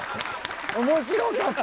面白かった！